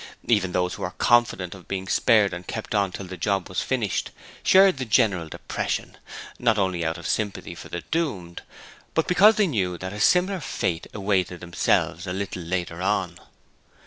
Even those who were confident of being spared and kept on till the job was finished shared the general depression, not only out of sympathy for the doomed, but because they knew that a similar fate awaited themselves a little later on.